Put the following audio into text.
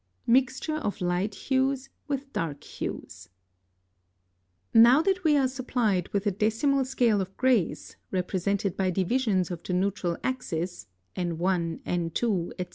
+Mixture of light hues with dark hues.+ (68) Now that we are supplied with a decimal scale of grays, represented by divisions of the neutral axis (N1, N2, etc.)